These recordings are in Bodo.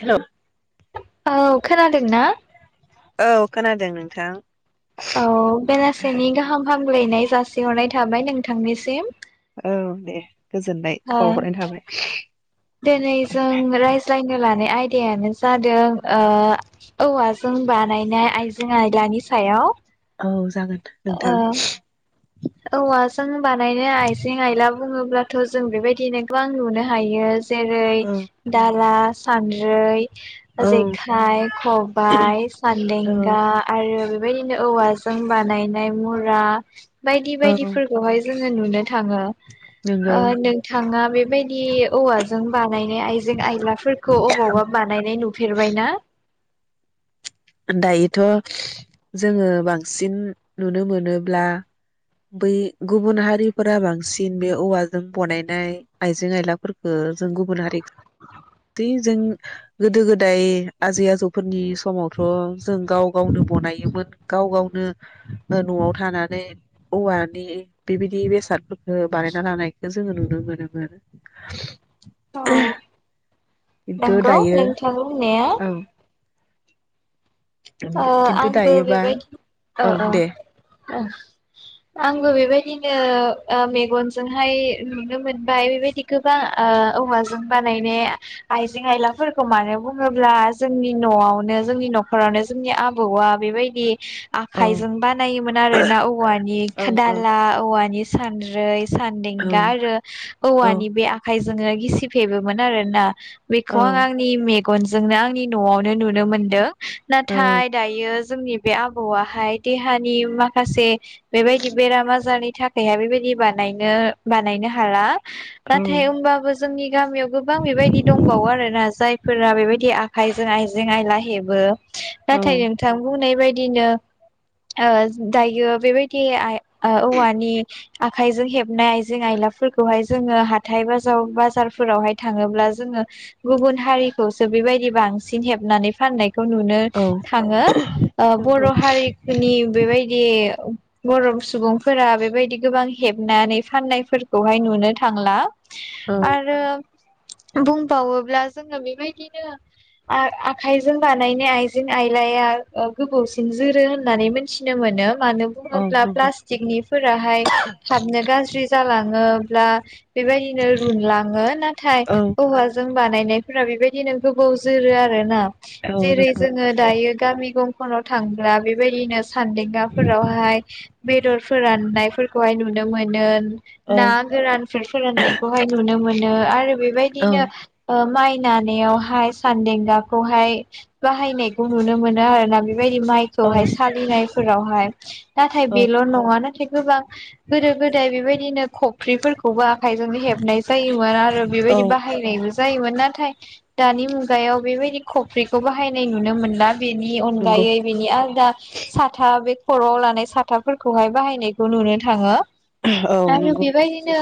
हेल' औ खोनादोंना? औ खोनादों नोंथां। औ बेलासेनि गाहाम फाहामलायनाय जासिहरनाय थाबाय नोंथांनिसिम औ दे गोजोननाय ओ बावहरनाय थाबाय दिनै जों रायज्लायनो लानो आय दायानो जादों ओ औवाजों बानायनाय आइजें आयदानि सायाव। औ जागोन नोंथां ओ औवाजों बानायनाय आइजें आइला बुङोब्लाथ' जों बेबायदिनो गोबां लुनो हायो औ जेरै- दाला सानद्रै औ जेखाय खबाय औ सान्देंगा आरो बेबायदिनो औवाजों बानाय नाय मुरा बायदि औ बायदिफोरखौहाय [unintelligible] थाङो नंगौ अ नोंथाङा बेबायदि औवाजों बानायनाय आइजें आइलाफोरखौ अबावबा बानायनाय नुफेरबायना? दायोथ' जोङो बांसिन नुनो मोनोब्ला बै गुबुन हारिफोरा बांसिन बे औवाजों बनायनाय आइजें आयलाफोरखौ जों गुबुन हारि- जों गोदो गोदाय आजै आजौफोरनि समाव थ' जों गाव गावनो बनायोमोन गाव गावनो न'आव थानानै औवानि बेबायदि बेसाद ओ बानायना लानाय- खौ जोङो नुनो मोनोमोन औ खिन्थु नंगौ दायो नोंथांनि होननाया औ अ खिन्थु आंबो दायोबा बेबायदि औ औ अ आंबो बेबायदिनो अ मेगनजोंहाय नुनो मोनबाय बेबायदि गोबां अ औवाजों बानायनाय आइजें आइलाफोरखौ मानो बुङोब्ला जोंनि न'आवनो जोंनि न'खरावनो जोंनि आबौआ बेबायदि औ आखायजों बानायोमोन आरो ना औवानि औ औ दाला औवानि सानद्रै औ सानदेंगा आरो औवानि बे आखाय- जोङो गिसिब हेबोमोन आरोना बेखौ आं आंनि मे- गनजोंनो आंनि न'आवनो नुनो मोनदों औ नाथाय दायो जोंनि बे आबौआहाय देहानि माखासे बेबायदि बेराम आजारनि थाखायहाय बेबायदि बानायनो-बानायनो हाला नाथाय होमबाबो जोंनि गामियाव गोबां बेबायदि दंबावो आरोना जाय फोरा बेबायदि आखाइजों आइजें आयला हेबो औ नाथाय नोंथां बुंनाय बायदि बिदिनो दायो बेबायदि आइ औवानि आखायजों हेबनाय आइजें आइलाफोरखौहाय जोङो हाथाय बाज बाजारफोरावहाय थाङोब्ला जोङो गुबुन हारिखौसो बेबायदि बांसिन हेबनानै फाननाय खौ नुनो औ थाङो नंगौ बर' हारिनि बेबायदि बर' सुबुंफोरा बेबायदि गोबां हेबनानै फाननायफोरखौहाय नुनो थांला औ आरो बुंबावोब्ला जोङो बेबायदिनो आखाइजों बानायनाय आइजें आइलाया गोबावसिन जोरो होननानै मिथिनो मोनो मानो औ बुङोब्ला नंगौ प्लास्टिकनि फोराहाय थाबनो गाज्रि जालाङो दा बेबायदिनो रुनलाङो नाथाय औ औवाजों बानायनायफोरा बेबायदिनो गोबाव जोरो आरो ना औ जेरै नंगौ जोङो दायो गामि गंफोराव थांब्ला बेबायदिनो सान्देंगाफोरावहाय बेदर फोराननायफोरखौहाय नुनो नुनो मोनो औ ना गोरानफोर फोराननायखौहाय नुनो मोनो आरो औ बेबायदिनो ओ माइ नानायावहाय सानदेंगाखौहाय बाहायनायखौ नुनो मोनो मोनो आरोना बेबायदि औ माइखौहाय सालिनायफोरावहाय नाथाय औ बेल' नङानो गोबां गोदो गोदाय बेबायदिनो खफ्रिफोरखौबो आखायजोंनो हेबनाय जायोमोन आरो औ बेबायदि बाहायनायबो जायोमोन नाथाय दानि मुगायाव बेबायदि खफ्रि खौ बाहायनाय नुनो मोनला बेनि नंगौ अनगायै बिनि आलदा साथा बे खर'आव लानाय साथाफोरखौहाय बाहायनायखौ नुनो थाङो औ आरो नंगौ बेबायदिनो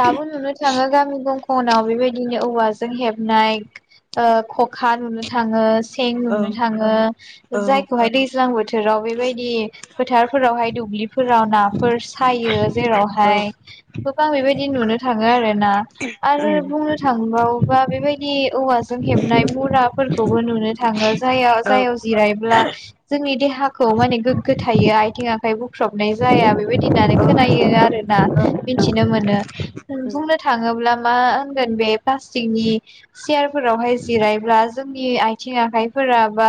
दाबो नुनो थाङो गामि गं गुबुनाव बेबायदिनो औवाजों हेबनाय ओ खखा नुनो थाङो सें औ नुनो थाङो औ जायखौहाय दैज्लां बोथोराव बेबायदि फोथारफोरावहाय दुब्लिफोराव नाफोर सायो औ जेरावहाय गोबां बेबायदि नुनो थाङो आरोना आरो उम बुंनो थांबावोबा बेबायदि औवाजों जों हेबनाय मुुरा खौबो नुनो थाङो जाय औ जायाव जिरायब्ला जोंनि देहाखौ माने गोग्गो थायो आथिं आखाइ ब बुख्रबनाय जाया बेबायदि होनानो औ खोनायो आरोना। औ मिथिनो मोनो। बुंनो थाङोब्ला मा होनगोन बे प्लास्टिकनि चयारफोरावहाय जिरायब्ला जोंनि आथिं आखाइफोरा बा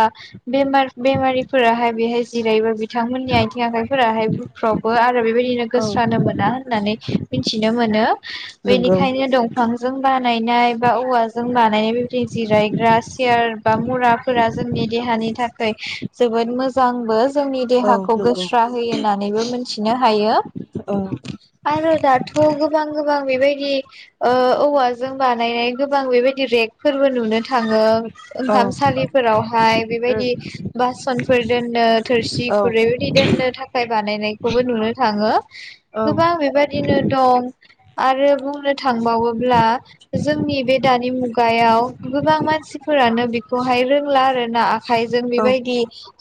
बे बेमारिफोराहाय बेहाय जिरायबो बिथांमोननि आथिं आखाइफोराहाय बुफ्रबो आरो बेबायदिनो नंगौ औ गोस्रानो मोना होननानै मिथिनो मोनो नंगौ बेनिखायनो दंफांजों बा बानायनाय बा औवाजों बानायनाय बेबायदि जिरायग्रा सियार बा मुराफोरा जोंनि देहानि थाखाय जोबोद मोजांबो जोंनि औ देहाखौ नंगौ गोस्रा होयो होननानैबो मोन मिथिनो हायो औ आरो दा थ गोबां गोबां बेबायदि ओ औवाजों बानायनाय गोबां बेबायदि रेगफोरबो नुनो थाङो औ ओंखामसालिफोरावहाय बेबायदि उम बासन फोरदोन्नो थोरसि औ खुरैबायदि दोननो थाखाय बानायनाय बेखौबो नुनो थाङो गोबां औ बेबादिनो दं आरो बुंनो थांबावोब्ला जोंनि बे दानि मुगायाव गोबां मानसि फोरानो बेखौहाय रोंला आरो ना आखाइजों औ बेबायदि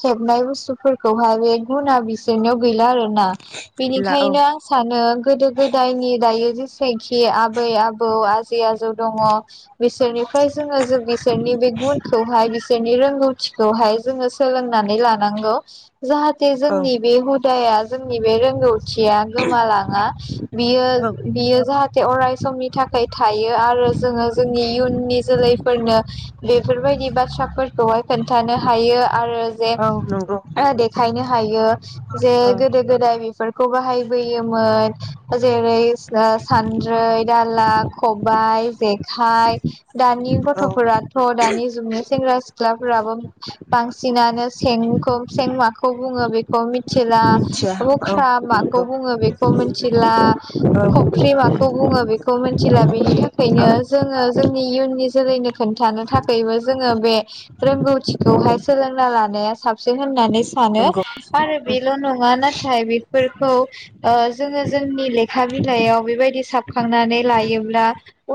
हेबनाय बुस्थुफोरखौहाय बे गुना बिसोरनियाव गैला आरो ना गैला औ बेनिखायनो आं सानो गोदो गोदायनि दायो जेसेखि आबै आबौ आजै आजौ दङ बिसोरनिफ्राय जोङो जों बि बिसोरनि बे गुनखौहाय बिसोरनि रोंगौथिखौहाय जोङो सोलोंनानै लानांगौ जाहाथे औ जोंनि बे हुदाया जोंनि बे रोंगौथिया गोमालाङा बियो औ बियो जाहा थे अराय समनि थाखाय थायो आरो जोङो जोंनि इयुननि जोलैफोरनो बेफोरबायदि बाथ्राफोरखौहाय खोन्थानो हायो आरो जे औ नंगौ देखायनो थायो जे औ गोदो गोदाय बेफोर खौ बाहायबोयोमोन जेरै सानद्रै दाला खबाइ जेखाइ दानि गथ' औ फोरथ' दानि जुगनि सेंग्रा सिख्लाफोराबो बांसिनानो सेंखौ सें माखौ बुङो बेखौ मि मिथिला मिथिया औ मुख्रा माखौ नंगौ बुङो बेखौ मिथिला औ खफ्रि माखौ बुङो बेखौ मिथिला बेनि औ थाखायनो जोङो जोंनि इयुननि जोलैनो खोन्थानो थाखायबो जोङो बे रोंगौथिखौहाय सोलोंना लानाया साबसिन होननानै सानो नंगौ आरो बेल' नङा नाथाय बेफोरखौ ओ जोङो जोंनि लेखा बिलाइयाव बेबायदि साबखांनानै लायोब्ला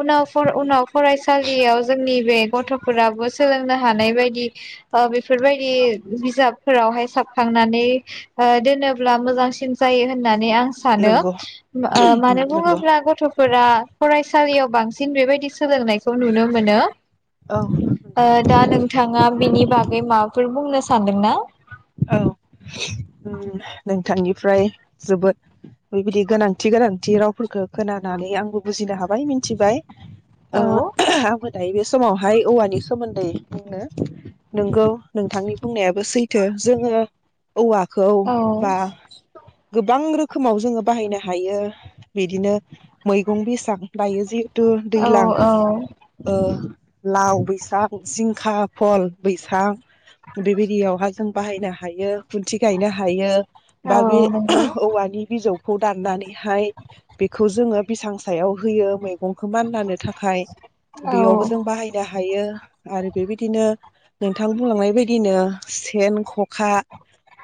उनावफोर उनाव फरायसालियाव जोंनि बे गथ'फोराबो सोलोंनो हानाय बायदि ओ बेफोरबायदि बिजाबफोरावहाय साबखांनानै ओ दोनोब्ला मोजांसिन जायो होननानै आं सानो नंगौ ओ उम मानो नंगौ बुङोब्ला गथ'फोरा फराय सालियाव बांसिन बेबायदि सोलोंनायखौ नुनो मोनो औ नंगौ ओ दा नोंथाङा बिनि बागै माबाफोर बुंनो सा सान्दोंंना औ नोंथांनिफ्राय जोबोद बेबायदि गोनांथि गोनांथि रावफोरखौ खोनानानै आंबो बुजिनो हाबाय मिथिबाय औ ओ आंबो दायो बे समावहाय औवानि सोमोन्दै नंगौ नोंथांनि बुंनायाबो सैथो जोङो औवाखौ औ बा गोबां रोख खोमाव जोङो बाहायनो हायो बिदिनो मैगं बेसां गायो जे थु औ दैलां औ ओ लाव बैसां जिंखा फल बैसां बेबायदियावहाय बाहायनो हायो खुनथि गायनो हायो । बा औ बे नंगौ औवानि बिजौखौ दाननानैहाय बेखौ जोङो बेसां सायाव होयो मैगंखौ मानलानो थाख खाय औ बेयावबो जों बाहायनो हा हायो आरो बेबायदिनो नोंथां बुंलांनाय बायदिनो सेन ख'खा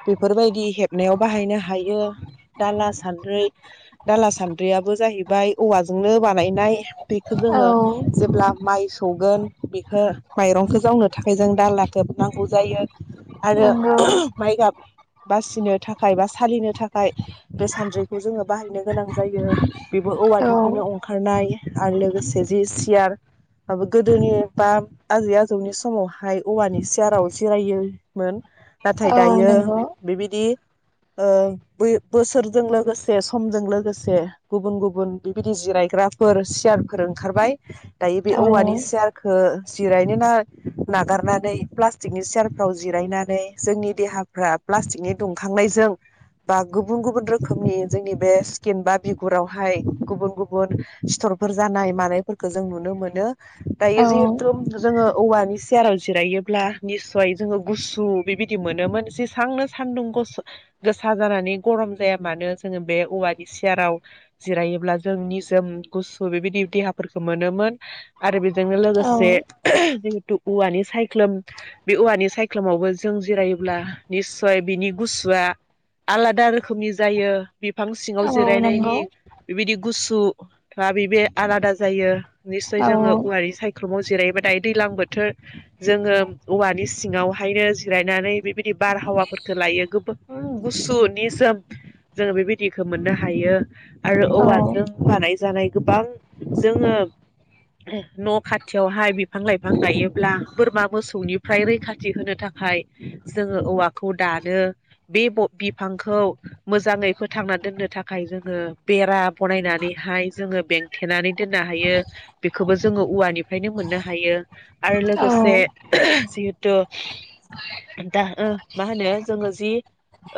बेफोरबायदि हेब नायाव बाहायनो हायो दाला सान्द्रै दाला सान्द्रियाबबो जाहैबाय औवाजोंनो बा बानायनाय बेखौ औ जोङो जेब्ला माइ सौगोन बेखो माइरंखौ जावनो थाखाय जों दालाखौ नांगौ जायो । आरो नंगौ माइ गाब बासिनो थाखाय बासि सालिनो थाखाय बे सान्द्रिखौ जोङो बाहायनो गोनां जायो बेबो औ औवानिफ्रायनो अंखारनाय आरो लोगोसे जि सियार आबो गोदोनि बा आजै आजौनि समावहाय औवानि सियाराव जिरायो मोन नाथाय औ दायो नंगौ बेबायदि ओ बोसोरजों लोगोसे समजों लोगोसे गुबुन गुबुन बेबायदि जिरायग्राफोर सियारफोर ओंखारबाय दायो बे औ औवानि सियारखौ जिरायनो नागार नागारनानै प्लास्टिकनि सियारफ्राव जिरायनानै जोंनि देहाफ्रा प्लास्टिकनि दुंखांनायजों बा गुबुन गुबुन रोखोमनि जोंनि बे स्किन बा बिगुरावहाय गुबुन गुबुन सिथरफोर जानाय मानायफोरखौ जों नुनो मोनो दायो औ जिहेथु जोङो औवानि सियाराव जिरायोब्ला निसय जोङो गुसु बेबायदि मोनोमोन जेसांनो सानदुं गोसा जानानै गरम जाया मानो जोङो बे औवानि सियाराव जिरायोब्ला जों निजोम गुसु बेबायदि देहाफोरखौ मोनोमोन आरो बेजोंनो औ लोगोसे जों औवानि सायख्लुम बे औवानि सायख्लुमावबो जों जिरायोब्ला निस्सय बिनि गुसुआ आलादा रोखोमनि जायो बिफां सिङाव औ जिरायनायनि नंगौ बेबायदि गुसु दा बिबे आलादा जायो निस्सय औ जोङो उवारि सायख दफाङाव जिरायोबा दायो दैलां बोथोर जोङोम औवानि स सिङावहायनो जिरायनानै बेबायद नि बारहावाफोरखौ लायो गोबां गुसु निजोम जोङो बेबायदिखो मोननो हायो आरो औ औवाजों बानाय जानाय गोबां जोङो न' खाथियावहाय बिफां लाइफां गायोब्ला बोरमा मोसौनिफ्राय रैखा थि होनो थाखाय जोङो औवाखौ दानो बे ब बिफांखौ मोजाङै फोथांना दोननो थाखाय जोङो बेरा बनायनानैहाय जोङो बेंथेनानै दोननो हायो बिखोबो जोङो औवानिफ्रायनो मोननो हायो आरो औ लोगोसे ओहोह जिहित तु दा ओ मा होनो जोङो जि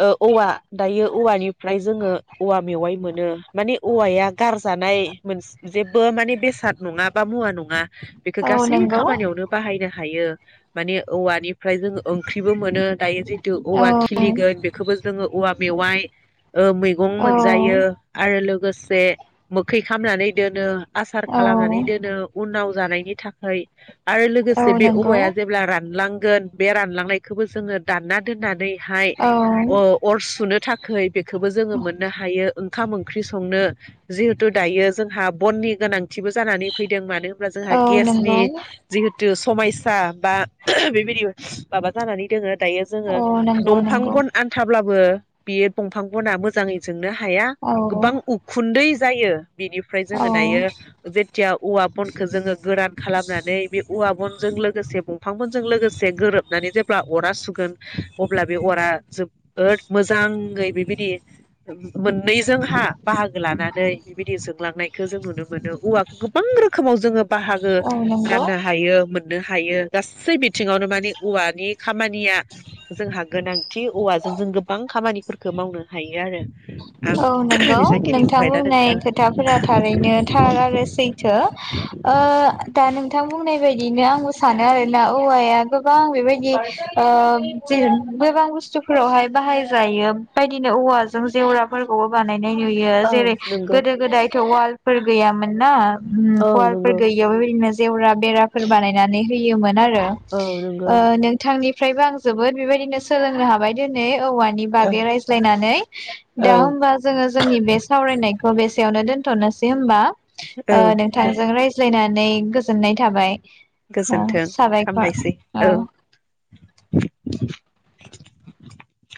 ओ औवा दायो औवानिफ्राय जोङो औवा मेवाइ मोनो माने औवाया गारजानाय मोनस जेबो माने बेसाद नङा बा मुवा नङा बेखो औ गासै नंगौ औ खामानियावनो बाहायनो हायो माने औवानिफ्राय जोंङो ओंख्रिबो मोनो दायो जि तु औवा खिलिगोन बे खोबो जोङो औवा मेवाइ ओ मैगं औ मोनजायो आरो लोगोसे मोखै खामनानै दोनो आसार औ खालामनानै दोनो उनाव जानायनि थाखै आरो लोगोसे बे नंगौ औवाया जेब्ला रान लांगोन बे रानलांनायखोबो जोङो दानना दोननानै हाय औ अ अर सुनो थाखै बेखोबो जोङो मोननो हायो ओंखाम ओंख्रि संनो जिहेथु दायो जोंहा बननि गोनांथिबो जानानै फैदों मानो होम बा औ जोंहा नंगौ औ गेसनि नंगौ जिहेतु समायस सा बा बेबायदि माबा जानानै दोङो दायो जोङो दंफां नंगौ गन आनथाब्लाबो बेयो बंफां गना मोजाङै जों नो हाया औ गोबां उखुन्दै जायो बिनिफ्राय औ जोङो दायो जे थियाव औवा बनखो जोङो गोरान खालामनानै बे औवा बनजों लोगोसे बं फां मोनजों लोगोसे गोरोबनानै जेब्ला अरा सुगोन अब्ला बे अरा जोबबोद मोजांगै बेबायदि मोननैजोंहा बाहागो लानानै बिबायदि जोंलांनायखो जों नुनो मोनो औवागोबां रोखोमाव जोङो बाहा ग गो औ नंगौ राननो हायो मोन नो हायो गासै बिथिङावनो माने औवानि खामानिया जोंहा गोनांथि औवाजों जों गोबां खामानिफोरखो मावनो हायो आरो। आं औ नंगौ बेसेबांखिनि नोंथां बुंबाय दा बुंनाय नोंथां खोथाफोरा थारैनो थार आरो सैथो ओ दा नोंथां बुंनाय बायदिनो आंबो सानो आरो ना औवाया गोबां बेबायदि गोबां बुस्थुफोरावहाय बाहाय जायो बेदिनो औवाजों जे [unintelligible] नाय नुयो औ जेरै नंगौ गोदो गोदाय। वालफोर गैयामोन ना। उम औ फवालप नंगौ गैया इनो जेवरा बेराफोर बानायनानै होयोमोन आरो। औ नंगौ। ओ नोंथांनि। ओमफ्रायबो आं जोबोद बेबायदिनो सोलोंनो हाबाय दिनै। औवानि औ बागै रायज्लायनानै औ दा होमबा जोङो जोंनि बे सावरायनाय खौ बेसेयावनो दोनथ'नोसै हबा। औ ओ नोंथांजों रायज्लायनानै। नै गोजोननाय थाबाय। अ गोजोन्थों साबायखर हामबायसै अ। औ।